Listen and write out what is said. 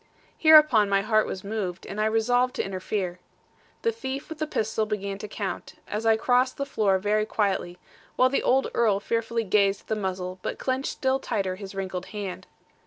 Hereupon my heart was moved; and I resolved to interfere. The thief with the pistol began to count, as I crossed the floor very quietly, while the old Earl fearfully gazed at the muzzle, but clenched still tighter his wrinkled hand.